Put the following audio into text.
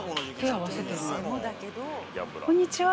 こんにちは。